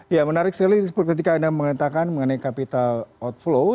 ya menarik sekali ketika anda mengatakan mengenai capital outflow